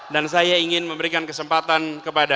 dan saya ingin memberikan kesempatan kepada